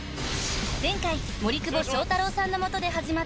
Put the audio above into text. ［前回森久保祥太郎さんの下で］